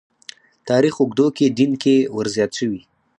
تاریخ اوږدو کې دین کې ورزیات شوي.